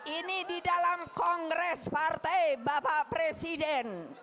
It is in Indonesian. ini di dalam kongres partai bapak presiden